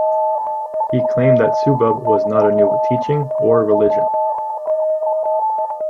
He claimed that Subud was not a new teaching or religion.